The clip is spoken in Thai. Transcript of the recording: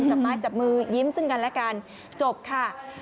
จับไม้จับมือยิ้มซึ่งกันและกันจบค่ะ